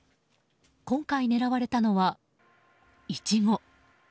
今回狙われたのはイチゴ。